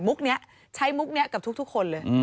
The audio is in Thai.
นี้ใช้มุกนี้กับทุกคนเลย